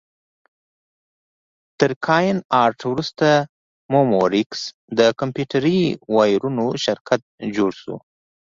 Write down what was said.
تر کاین ارټ وروسته مموریکس د کمپیوټري وایرونو شرکت جوړ شو.